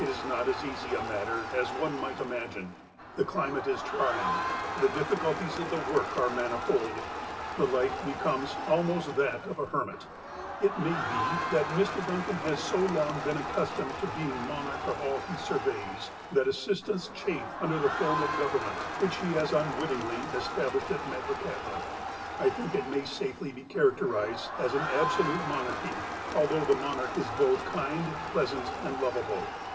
It is not as easy a matter as one might imagine. The climate is trying. The difficulties of the work are manifold. The life be comes almost that of a hermit. It may be that Mr. Dun can has so long been accustomed to being monarch of all he surveys, that assistants chafe under the form of government which he has unwittingly established at Metlakahtla. I think it may safely be characterized as an " absolute monarchy," although the monarch is both kind, pleasant, and lovable.